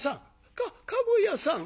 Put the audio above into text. かっ駕籠屋さん！